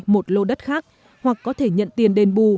một lô đất khác hoặc có thể nhận tiền đền bù